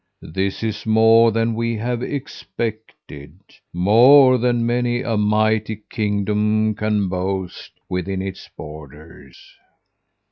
This is more than we have expected more than many a mighty kingdom can boast within its borders.'"